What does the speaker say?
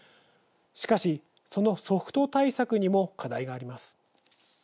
しかし、そのソフト対策にも課題があります。